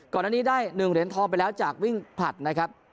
ก่อนอันนี้ได้๑เหรียญทองไปแล้วจากวิ่งผลัดนะครับ